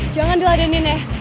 jangan dua adenin ya